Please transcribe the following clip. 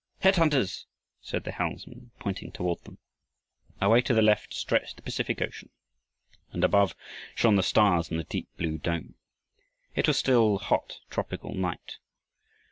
"Head hunters!" said the helmsman, pointing toward them. Away to the left stretched the Pacific Ocean, and above shone the stars in the deep blue dome. It was a still, hot tropical night.